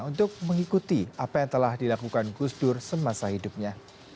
untuk mengikuti apa yang telah dilakukan gusdur semasa hidupnya